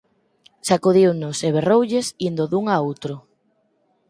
Sacudiunos e berroulles, indo dun a outro.